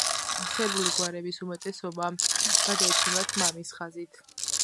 სერბული გვარების უმეტესობა გადაეცემათ მამის ხაზით.